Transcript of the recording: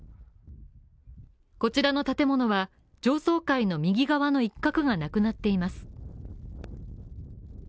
こちらの建物は、上層階の右側の一角がなくなっています。